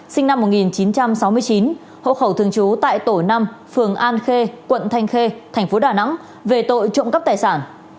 sinh năm một nghìn chín trăm sáu mươi chín hộ khẩu thường trú tại tổ năm phường an khê quận thanh khê thành phố đà nẵng về tội trộm cắp tài sản